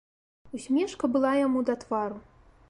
Усмешка была яму да твару.